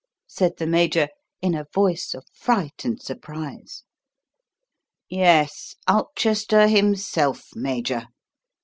said the Major in a voice of fright and surprise. "Yes, Ulchester himself, Major.